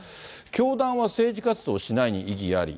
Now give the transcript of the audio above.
教団は政治活動をしないに異議あり。